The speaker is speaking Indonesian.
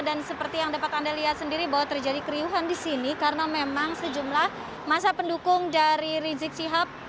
dan seperti yang dapat anda lihat sendiri bahwa terjadi keriuhan di sini karena memang sejumlah massa pendukung dari rizik shihab